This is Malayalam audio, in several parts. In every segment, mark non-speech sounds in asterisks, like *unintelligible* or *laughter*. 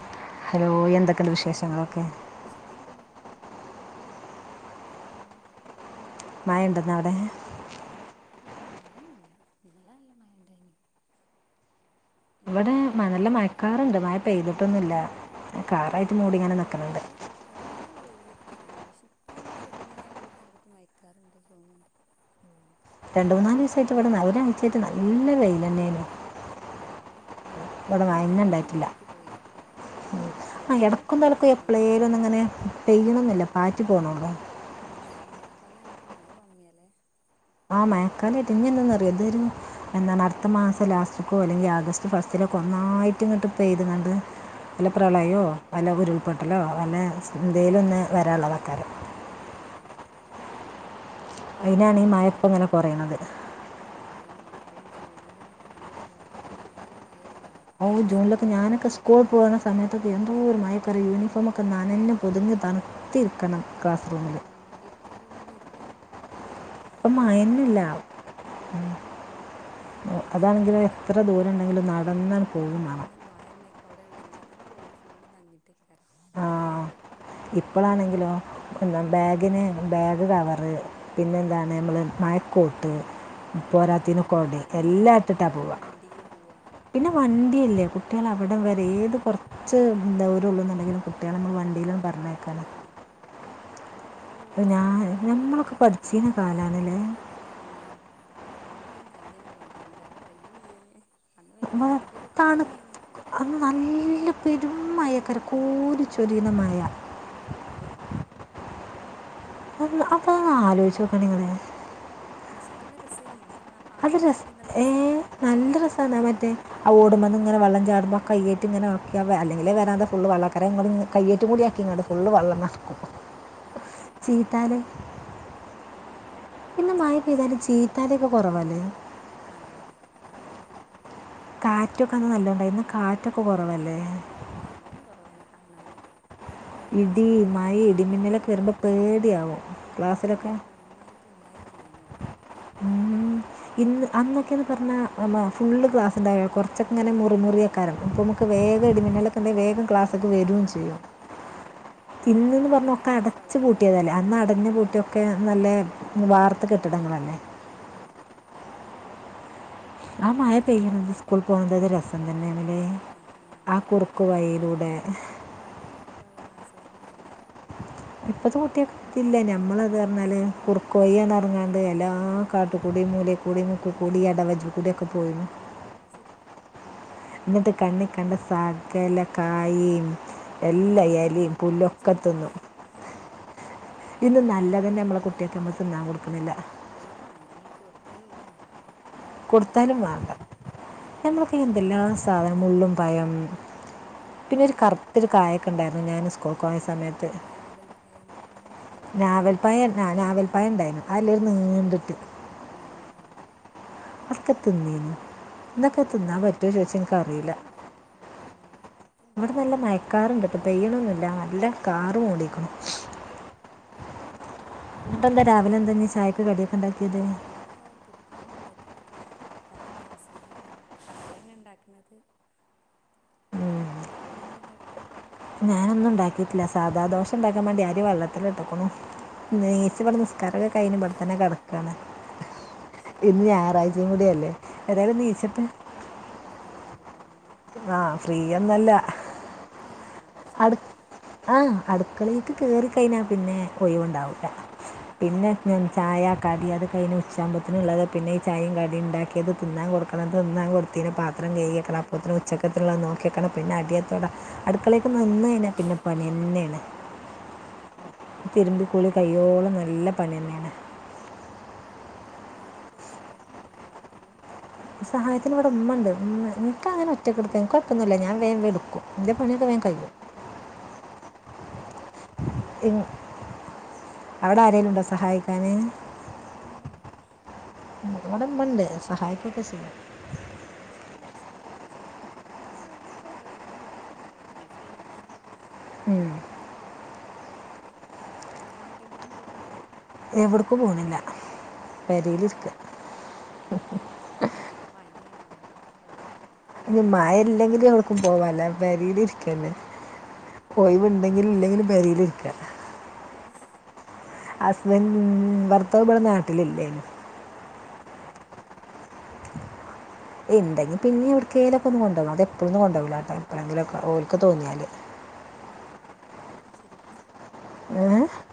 ഹായ് ഹലോ എന്തൊക്കിണ്ട് വിശേഷങ്ങളൊക്കെ സുഖം തന്നെ ഇങ്ങനെ പോണ്. ആ എന്തെന്ന അവിടെ മഴേ ഇല്ല മഴൊന്നല്ല ഇല്ല നല്ല മഴണ്ടായിനി ഇവിടെ മനല്ല മയക്കാറുണ്ട് മയപ്പെയ്തിട്ടൊന്നുമില്ല ആഹ ഇത് ഇത് ഇതൊരു വെയില ന്നെ പക്ഷെ ഇപ്പ ഇ ചെറങ്ങനെ ഒരു ഭാഗത്ത് മയക്കാറുണ്ട് തോന്നണ്ട്. രണ്ട് മൂന്നാല് ദിവസായിട്ട് ഇവിടെ ഒരാഴിച്ചേട്ട് നല്ല വെൽതന്നെയ. ആ ഇവിടെ ഇന്നലെ ഒന്ന് പാറ്റി പോയി ആ എടക്കും തലക്കും എപ്ലേയിലൊന്നും ഇങ്ങനെ ആ പെയ്യണന്നില്ല പാറ്റി പോണോള്ളൂ ഉം മയക്കാലായിട്ട് മഴ കമ്മിയല്ലെ? ആ മയക്കാലായിട്ട് ഇനിന്താന്നറിയാം. ഇതൊരു എന്താന്ന അടുത്ത മാസം ലാസ്റ്റക്കോ അല്ലെങ്കിൽ ആഗസ്റ്റ് ഫസ്റ്റിലൊക്കെന്ന ആയിട്ടി ഇങ്ങോട്ട് പേ ചെയ്ത്ക്കണ വല്ല ഒപ്പാണ്ട് പ്രളയമോ വീമ്പ് വല്ല ആ ഉരുൾപൊട്ടലോ വല്ല ഇന്തയിലൊന്ന് വരാനുള്ളത ആക്കാ അതാണ് ഇീ അതിനാണ് പാകത്തിന് ഈ കിട്ടണ്ട മയപ്പം ഇങ്ങനെ കുറയണത് ആ അതന്നെ മറ്റ മറ്റേ ജൂണിലൊന്നു. പണ്ട് ജൂണിലൊക്കെ നല്ല മഴ യാണല്ലേ? ഓ ജൂണിലൊക്കെ ഞാനൊക്കെ സ്കൂൾ പോകുന്ന സമയത്തൊക്കെ എന്തോര്മാഴയാ. ക്കറ യൂണിഫോമൊക്കെ നാനഞ്ഞ് കുതിന്ന് തണുത്തിരിക്കണം ക്ലാസ് റൂമില്. ഇപ്പതൊന്നുമില്ല ഇപ്പൊ മയനില്ല അതാണെങ്കില് എത്ര ദൂരം ഉണ്ടെങ്കിലും. നാൾ നടന്ന് വായനേക്കോടെ ഇടുന്നാൽ തന്നെ പൂതി ഫുള്ള് നഞ്ഞിട്ടേക്കരാം. ഇപ്പളാണെങ്കിലോ എന്താ ബാഗിന് ബാഗ് കവറ് പിന്നെന്താണ് നമ്മള് മയക്കോട്ട് ആഹ് പോരാത്തിന് അതന്നെ കോണ്ടേ നനയന്നെല്ലേ എല്ലാം അല്ലെങ്കി ഇട്ടിട്ടാ പിന്നെ പോവ വണ്ടിയില് പോവാ പിന്നെ വണ്ടിയല്ലേ കുട്ടികൾ അവിടം വരെ ആഹ് ഏത് കുറച്ച് എന്താ ള്ളുന്നുണ്ടെങ്കിലും കുട്ടികളെ നമ്മൾ ആഹ് വണ്ടിയിലൊന്നു അത് പ അതാണ്. ഇപ്പൊ അ ഫുള്ള് ഞാൻ സേഫ്റ്റി ആയോണ്ടേ ഞമ്മളൊക്കെ പഠിച്ചിരുന്ന കാലാണല്ലേ!. അന്ന നനഞ്ഞിന് പോണ്ടിനി വേറെ വയ്യില്ലല്ലോ അതാണ് അത് നല്ല പെരുും മയക്കരക്കൂല ചൊരീനമായ ആഹ അപ്പൊ ആലോചിച്ചു നോക്ക നിങ്ങ പക്ഷ നല്ല രസേനരുന്നു അത് രസ ഏ നല്ല രസന്നാ മറ്റേ ആ ഓടുമ്പ ഇങ്ങെ വെം ചാടുമ്പോൾ കയ്യറ്റിങ്ങനെ അല്ലെങ്കിൽ വരാണ്ട് ഫള് ആഹ് വള്ളക്കാര ഇങ്ങ കയ്യേറ്റും കൂടി ആഹ് ആക്കി അത് ഇങ്ങട്ട ശരിയാ ഫുള്െള്ളംക്കും അതാണ് ചീത്താലെ പിന്നെ മഴ ചായടിച്ചോ പെയ്തല് ചീത്താല ഒക്കെ കുറവല്ലേ ആയി കാറ്റൊക്കെന്ന് നല്ലോണ്ട ഇന്ന് കാറ്റൊക്കെ കുറവല്ലേ ഇ എല്ലാം കൊറവനെ കാണാന് കഴിഞ്ഞ ഇടി പ്രാവശ്യനപ്പം മഴ മയോയും ഇടിമിന്നലൊക്കെ ഇടിയൊന്നും വെര്മ്പോ കമ്മിയല്ലേ പേടിയാവും ക്ലാസ്സിലൊക്കെ മറ്റുണ്ടായും ചെയ്യ അതൊക്കെ ഉം ഇ അന്നൊക്കെയന്ന് പറഞ്ഞാ ഫുള് ഗക്ലാസ് ഉണ്ടായ കൊറച്ചൊക്കങ്ങനെ മുറി മുറിയക്കാരം ഇപ്പൊ വേഗ ആഹ് ഇടിമിന്നളക്കൻ്റെ വേഗം ക്ലാസ്സൊക്കെ വരകയും കാണും ചെയ്യും അതാണ് ഇങ്ങനെ ഇന്നന്ന് ഫുൾ പറഞ്ഞ അടഞ്ഞ ഒക്കെ ക്ലാസ് അടച്ചു ആവൂലല്ലോ പൂട്ടിയതല്ലേ അന്ന് അടഞ്ഞഞ് പൂട്ടിയൊക്കെ നല്ല വാർത്ത കെട്ടിടങ്ങളൾ തന്നെ അതാണ് ആ മായ ചാ പെയ്യത് സ്കൂൾ പോകുന്നത് അപ്പം തന്നെ നമ്മില് അതേന്നെ ആഹ് ആ കുറുക്ക് വൈയിലൂടെ കുട്ടിക്കതൊന്നും ആസ്വദിക്കാൻ കഴയില്ല ഇപ്പഴത്തെ കുട്ടിയ കത്തില്ല നഞമ്മളത് പറഞ്ഞാൽ കുറുക്കയ്യാന്ന ഇറങ്ങാണ്ട് എല്ലാ കാട്ടുകൂടി മൂല കൂടി മുക്ക കൂടിിയടവജ കൂടിയൊക്കെ പോയിരുന്നു ആഹ് അത് ശരിയാ എന്നിട്ട് കണ്ണി കണ്ട സകല കായ എല്ലാ തിന്നും എലിയും ചെയ്യും പുല്ലൊക്കെ പറിച്ചും തിന്നു ചെയ്യും ഇന്ന് നല്ലതന്നെ നമ്മളെ കുട്ടിയൊക്കെ നമ്മ തിന്നാൻ കൊടുക്കുന്നില്ല ഒക്കും വേണ്ട നീക്ക് കൊടുത്താലും ഒരിക്കും വേണ്ട കൊടുത്താലും അതേക്കാരണ്ട വേണ്ട ഉം നമ്മൾക്ക് എന്തെല്ലാ സാധനം മുള്ളും ഭയം ആ പിന്നെ ഒരു കറുത്തരു കായക്കുണ്ടായിരുന്നു ഞാന് സ്കൂൾ കോഞ്ഞ സമയത്ത് ഞാവൽപ്പഴം അങ്ങനത്തൊക്കെല്ലേനോ നാവൽപ്പായ ആ നാവൽപ്പായ ഉണ്ടായിു അല്ലരു നീണ്ടിട്ട് ഉം *unintelligible* ആ എന്നൊക്കെ ഇവിടെ തിന്നാൻ മഴ പറ്റുമ ചോദിച്ച എനിക്കറിയില്ല പാറ്റുണ്ട് ഇവിടെ ഇങ്ങനെ മഴ പാറ്റുണ്ട് ഇവിടെ നല്ല മയക്കാറണ്ട് വെണൊന്നുമില്ല നല്ല കാറും ഓടിക്കണം ആഹ ഇത്ര് അവിടെ എന്നിട്ടെന്താ പെട്ടന്നരു രാവിലെ എന്താ ഇനി പാറ്റടി ചായക്ക് കടിയൊക്കെ ഉണ്ടാക്കിയത് രാവിലെ പുട്ടാണ് ഉണ്ടാക്കി ക്കുന്ന കറി ഗ്യാസുകളാണ് കടലങ്ങെ ഉണ്ടാക്കുന്നത് അവിടെ എന്തണ്ടാക്കണ ഞാനൊന്നും ഉണ്ടാക്കീട്ടില്ല സാധാ ദോശ ഉണ്ടാക്കാൻ വേണ്ടി അരി വെള്ളത്തില്ട്ടുക്കുണു ഏ നീച്ച് ഇവടെ നിസ്കാര ഉക്കെ കഴിഞ്ഞ് ഇവിടെത്തന്നെ കിടക്കാണ് ആ അത് ശരി ഇന്ന് ഒറ്റക്കാകുമ്പോൾ ഞായറാഴ്ചയും കുഴപ്പമില്ലല്ലോ കൂടിയല്ലേ ഏതായാലും നീച്ച ആ ട്ടേ ഫ്രീ ആണല്ലോ അല്ലേ ഇന്ന് ആഹ് ഫ്രീയൊന്നല്ല ഏ ഞായറാഴ്ച അടു ആകുമ്പോൾ ആഹ് അടുക്കളേക്ക് കേറി കഴിഞ്ഞാ പിന്നെ ഒയിവുണ്ടാവൂല്ല ആ പിന്നെ ഞാൻ ചായ കടി അത് കഴിഞ്ഞു ഉച്ചാവ്മ്പോത്തിന് ഉള്ളത് പിന്നെ ഈ ചായയും കടി ഇണ്ടാക്കിയത് തിന്നാൻ കൊടുക്കണത് തിന്ന അത് കൊട് തീനെ പാത്രം ഒക്കെ കഴികിയേക്കണം പാടെ അപ്പോത്തിന് കഴിയുമ്പോത്തിന് ഉച്ചക്കത്തിനുള്ള നോക്കിയക്കണം പിന്നെ അടിയെ തൊട അടുക്കളെ തിരുമ്പിക്കൂളി കയ്യോളം നല്ല പണിയന്നെണ് ഒറ്റക്കാ ആ സഹായത്തിനാരൂല്ല ആക്കാന് സഹായത്തിന് ഇവടെ ഉമ്മ ണ്ട്. ഉമ്മ ഇൻക്കങ്ങനെ ഒറ്റക്കെടുത്താ ഇൻക്ക് കൊയ്പ്പൊന്നുല്ല ഞാൻ വേം വേം ഇട്ക്കും ഇന്റെ പണിയൊക്കെ വേം ആഹ് കയ്യും ആഹ് അപ്പൊ കൊറേ ആയി ഉം അവിടെ ആരെലും ഉണ്ടോ സഹായിക്കാന് ആഹ് അതും കണ്ടു. ഇവടെമ്മണ്ട് സഹായിക്കൊക്കെ ചെയ്യും ചെയ്യുവേ സഹായിക്കും ചെയ്യും പണിയൊക്കെ ഒരു പത്ത് പയിനൊന്നണിയാമ്പം കയ്യും പിന്നെ ഫ്രീ ആണ് ഉം *unintelligible* ഇന്നങ്ങട്ടെങ്കിലും പോവണ്ടോ എവിട്ക്കും പോണില്ല പേരേലിരിക്ക പിന്നെ മയയാണ് അതുകൊണ്ട്ക്കെ പോവും ഇഞ് മഴല്ലെങ്കിലും ഒട്ക്കും പോവാൻല്ല പെരീല് ഇരിക്കന്നെ ഏഹ് ഒയിവ് ഇണ്ടെങ്കിലും ഇല്ലെങ്കിലും പെരിലിരിക്കാ ആഹ് ഹസ്ബൻ ഭർത്താവ് ഇവിടെ നാട്ടിലില്ലേ ഓക്കെ ആഹ് *inaudible* ഇണ്ടെങ്കി പിന്നിം എവിടക്കേലൊക്ക ഒന്ന് കൊണ്ടോവാ അത് എപ്പളന്നും കൊണ്ടോവൂല്ല ട്ടോ എപ്പളെങ്കിലും ഒക്കെ ഓൽക്ക് തോന്നിയാല് ആ ആ അതും ശരിയന്നെ. ഓൽക്ക് ഒയിവേണല്ലോ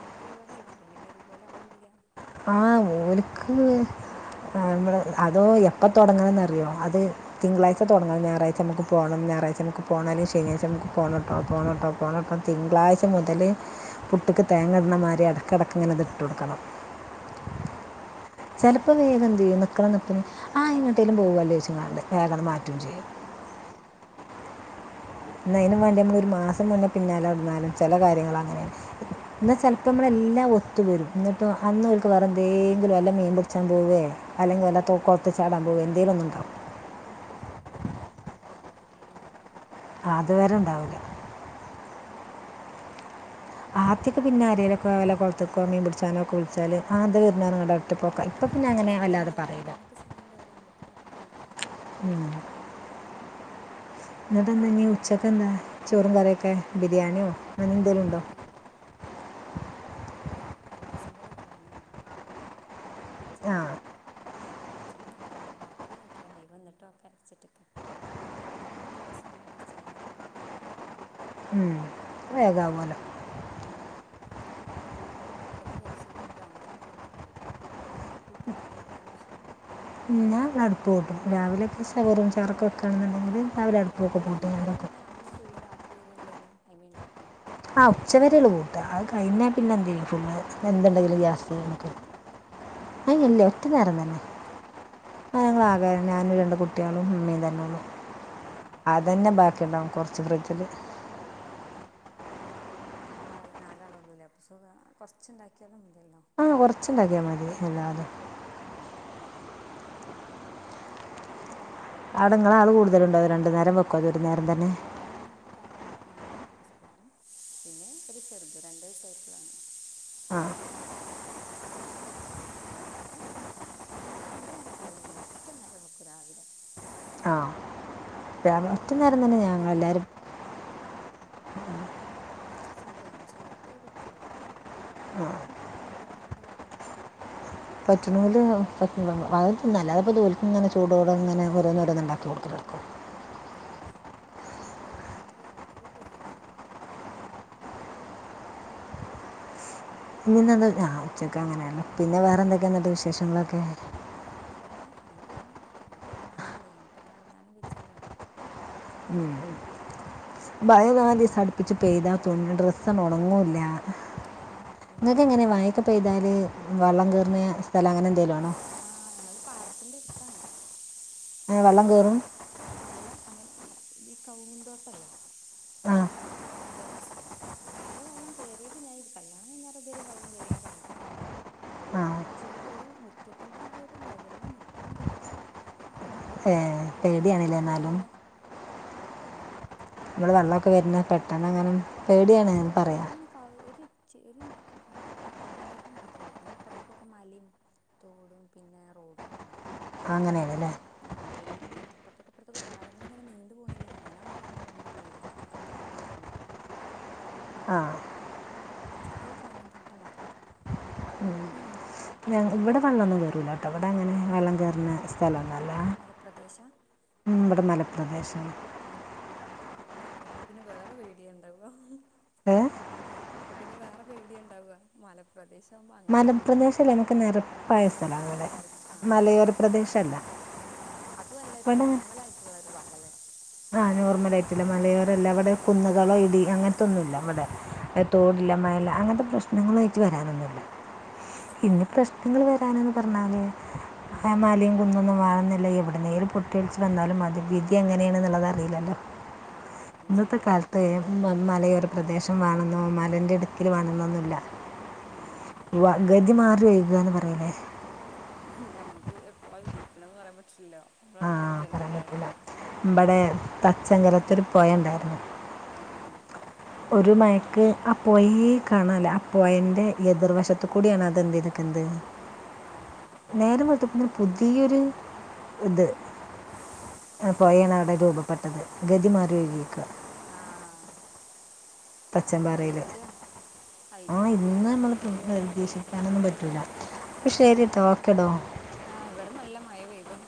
ഒൽ ക്കൊയിവോടെ എല്ലാരും പിന്നെ ഒരുപോലാവൂല്ല ആഹ് ഓൽക്ക് ആ നമ്മള് അതോ എപ്പ തുടങ്ങണന്നറിയോ അത് തിങ്കളാഴ്ച തുടങ്ങണം ഞായറാഴ്ച നമുക്ക് പോണം ഞായറാഴ്ച നമുക്ക് പോണേലും ശനിയാഴ്ച നമക്ക് പോണട്ടോ പോണം ട്ടോ പോണം ട്ടോ തിങ്കളാഴ്ച മുതൽ പു ട്ട്ക്ക് തേങ്ങെട്ണ മാരി എടക്കടക്കിതിങ്ങനെ ഇട്ടൊടുക്കണം ആഹ് ചെലപ്പോ വേഗം തിരും നിക്കാണാ നിപ്പില് ആാ എങ്ങട്ടേലും പോകുമല്ലോ *unintelligible* വേഗം മാറ്റും ചെയ്യും ഊം ഇന്നൈനും വാണ്ടി നമ്മള് ഒരു മാസം വന്ന് പിന്നാലെ നടന്നാലും ചില കാര്യങ്ങൾ അങ്ങനെണ് ഇന്നാ ആഹ് ചെലപ്പമ്മളെല്ലാം ഒത്തു വരും ന്നട്ടൊ അന്ന് ഓൽക്ക് വേറെ എന്തേങ്കിലും വല്ല മീൻ പിടിച്ചാൻ പോവേ അല്ലെങ്കിൽ വല്ല തൊ കൊളത്ത് ചാടാൻ പോവേ എന്തെലും ഒന്ന് ഇണ്ടാവും ആ *unintelligible* ആ ഓൽക്കപ്പളേക്കാരം അതൊക്കെ ഉണ്ടാക അതിരേ ഇല്ലാതെ അഹ് അതുവരെ ഇണ്ടാവൂല ആദ്യക്കെ പിന്നെ ആരെലൊക്കെ വല്ല കൊൾത്ക്കോ മീൻ പിടിച്ചാനോ ഒക്കെ വിളിച്ചാല് ആ ദേ വര്ന് പർഞാണ്ട് ഒൽക്ക് അപ്പം സമയം ഇണ്ടാവും, ഞമ്മക്ക് സമയം ഇണ്ടാവുല്ല, നമ്മക്ക് നോക്കൻ പോയി *unintelligible* ഉം എന്നിട്ടെന്താ ഇനി ഉച്ചക്ക് എന്താ ചോറും കറിയൊക്കെ ബിരിയാണിയോ ഇല്ല അങ്ങനെ എന്തേലും ഉച്ചക്ക് ഉണ്ടോ കല്യാണമുണ്ട് ഇവിടെ അൽവാസിൻ്റോടെ കല്യാണാണ് അപ്പം ആ ഉച്ചക്കതാണ് അതുകൊണ്ട് ഉച്ചക്ക് ഉണ്ട്, ഇനി രാത്രി നോക്കിയ മതി, വന്നിട്ട് നോക്ക *unintelligible* ക്കെ ഗ്യാസ് മലാണ്ട് വെച്ചാല് കുക്കറിലാണ്ടാവല്ലോ ഉം വേഗാവോലോ ഉപ കുക്കറും ഗ്യാസുംള്ളോണ്ടരഞ്ചിൻറ്റോണ്ട് ഇതാവും കുറെ അടുപ്പൂട്ടി തീ ഊതണ്ട പിന്നെ അടുപ്പ് കൂട്ടും രാവലെയൊക്കെ *unintelligible* ആ വെക്കണ്ന്നോണ്ടെങ്കില് രാവിലെ അടുപ്പ കൂട്ടിയാൽ പിന്നെ അന്ന് *unintelligible* ഫുള്ള് രാത്രി വരെള്ളേന് അയ്‌മെ ഇണ്ടാക്കും ആ ഉച്ചാവെരെള്ളു കൂട്ടാ അത് കഴിഞ്ഞാ പിന്നെ *inaudible* രാത്രിക്കക്ക് വേറെ ഫുഡ് ഉണ്ടാക്കല അല്ലല്ല ഒറ്റ നേരം തന്നെ ഒറ്റ ഓക്കെ ആ ഞങ്ങളാ കേ ഞാനും രണ്ട് കുട്ടിയേളും ഇമ്മിം തന്നെ ഒള്ളൂ അത് തന്നെ ബാക്കി ഇണ്ടാവും കുറച്ച് ഫ്രിഡ്ജ് ല് ആ നാലാള് നാലാളുള്ളൂല്ലേ അപ്പ സുഖാ കൊറച്ചുണ്ടാക്കിയാലും *unintelligible* ആഹ് കൊറച്ചുണ്ടാക്കിയാ മതി, അല്ലാ അതെ അവിടെ നിങ്ങളെ പിന്നാ ആൾ കൂടുതലുണ്ടോ രണ്ട് നേരം വെക്കുമോ *unintelligible* അത് ഒരു ഇല്ലേ നേരം തന്നെ ഇവിടെ ഇമ്മ, ഇപ്പ, ഞാന് ഹസ്ബൻറും പിന്നെ ഒരു ചെറുത് രണ്ട് വയസായിട്ടുള്ളതാണ്. ആ അങ്ങനത്രം ഞങ്ങള് രണ്ട് നേരം വെക്കലൊന്നുല്ല, ഒറ്റ നേരം വെക്കും രാവിലെ. ആഹ് ആ ചായക്കടി വച്ചെന്റെ അടുപ്പത്തന്നെ എല്ലാവരും മ് *unintelligible* സഹായിക്കും ചിലർക്ക പറ്റൂല പിന്നെ നമ്മുക്ക് പറ്റണോണ്ട് കുഴപ്പമില്ല പറ്റണോല് *unintelligible* ഇങ്ങനെ ചൂടോട ഇങ്ങനെ ഓരോന്ന് ഓരോന്ന് ഇണ്ടാക്കി *unintelligible* *unintelligible* പോയിന് *unintelligible* *unintelligible* ഞാ ഉച്ചക്കങ്ങനന്നെ പിന്നെ വേറെ എന്തൊക്കെ എന്നിട്ട് വിശേഷങ്ങളൊക്കെ? സുഖന്നെ അങ്ങനെ പോണ ഇപ്പൊ മഴല്ലേ ഇങ്ങിട്ടൊറ്റ ഇറങ്ങാനും വിച്ചല്ലോ മ് *unintelligible* അടുപ്പിച്ച് പെയ്ത തുണി ഡ്രെസ്സൊന്നും ഉണങ്ങൂല്ല ആ അയിന് നിങ്ങക്ക് എന്നാ എങ്ങനെയാ പിന്നെ മയെക്ക പെയ്താല് വള്ളം കേറുന്ന ആ ഞങ്ങള് പാടത്തിന്റെ അടുത്താണ് വെള്ളം *unintelligible* കയറും വള്ളം അങ്ങനെ ഈ കവുങ്ങിൻ തോട്ടല്ലേ. ആഹ് അതുപോലത്തെ സ്ഥല, വലിയ വെള്ളം കേറിയത് ഞാൻത് കല്യാണം കഴിഞ്ഞേരം ഇത് വരേം വെള്ളം കേറിയ ഞാൻ കണ്ടിട്ടില്ല. ആ പക്ഷേ വ് ഒരു മുറ്റത്തിന്റെ ആ ഒരു ലെവലില് നിക്കണ്ട്ന്നൊക്കെ പറഞ്ഞോ ഏഹ് പേടിയാണില്ലേ എന്നാലും. ഉം. *unintelligible* വരുന്ന പെട്ടെന്ന് എങ്ങനും പക്ഷേ ഓ അങ്ങനെക്കാവ് ഒര് *unintelligible* ഒരു കവുങ്ങ്ന്തോട്ടം മാത്രള്ളൂ, പിന്നെ അപ്പുറത്തേക്കൊക്കെ മലയും തോടും പിന്നെ റോ പിന്നെ അങ്ങനെയാണല്ലേ വല്യ അപ്പുറത്തും ഇപ്പുറത്തുമൊക്കെ പാടങ്ങളിങ്ങനെ പോണില്ല അങ്ങനെ ആവുമ്പോളാണല്ലോ നമുക്ക് പേടി ഇങ്ങിട്ട് വരുന്ന ആഹ് ചെറിയ കവുങ്ങ് തോട്ടം മാത്രം. മ് ഞ ഇവിടെ വള്ളൊന്നും കേറൂലാട്ടോ, ഇവട അങ്ങനെ വെള്ളം കേറ്ന്ന സ് തലങ്ങല അവിടെ അങ്ങനെ മലപ്രദേശ നമ്മുടെ മലപ്രദേശം അപ്പല്ല അപ്പൊ പിന്നെ വേറെ പേടിയ ഇണ്ടാവ ഏ അപ്പൊ പിന്നെ വേറെ പേടിയുണ്ടാവ മലപ്രദേശ് മലപ്രദേശല്ലേ നമക്ക് നിരപ്പായ ആ സ്ഥലങനെ നേര മലയോര പ്രദേശല്ല ആ അതുമല്ല നോർമൽ ആയിട്ടുള്ള ഒരു പകല്ലേ ആ നോർമൽ ആയിട്ടില്ല മലയോരല്ല അവിടെ കുന്നുകളോ ഇടി അങ്ങനത്തൊന്നുമില്ല. ഇവിടെ എ ആ തോടില്ല മല അങ്ങനത്തെ പ്രശ്നങ്ങളായിട്ട് വരാനൊന്നുല്ല. ഇന്ന പ്രശ്നങ്ങൾ വരാനന്ന് പറഞ്ഞാല് ആ മലേം കുന്നൊന്നും വഴുന്നില്ല എവിടേ *unintelligible* പൊട്ടിയൊലിച്ചു വന്നാലും മതി, വിധി എങ്ങനെയാണെന്നുള്ളത് അറിയില്ലല്ലോ. ആ അതും ഇന്നത്തെ ശരിയാ കാലത്ത് അന്ന് മ മലയോര പ്രദേശ് വാണെന്നോ മലേന്റെ ഇടുക്കില് വണൊന്നൊന്നുല്ല. വ ഗതി മാറി വയ്കന്ന് പറീലേ ഞമ്മക്ക് എപ്പഴാ വിധിക്കണംന്ന് പറയാൻ പറ്റില്ലോ ആഹ് പറയാൻ പറ്റുല്ല മ്പടെ തച്ചങ്കലത്തൂര് പോയ ണ്ടായിരുന്നു. ഉം, ഉം. ഒരു മയക്ക് അപോയി കാണല്ലേ അപ്പോയന്റെ എതിർവശത്ത കൂടിയാണ് അതെന് ഇരിക്കുന്നത് ആ നേരം വെള്തപൊ പുതിയൊരു ഇത്. പോയാണ് അവിടെ രൂപപ്പെട്ടത് ഗതി മാറിക്കുക ആ തച്ചൻമ്പാറയില് പേടിയാ അതിൻ്റെ ആഹ് അടുത്ത് ഇന്ന് വീടുമ്പൊക്കെ മ്മള് പ്പോ ഉണ്ടെങ്കിലേ പ്രതീക്ഷിക്കാനൊന്നും പറ്റൂല്ല. ആഹ് ഇവിടെപൊ നല്ല മഴ പെയ്തു.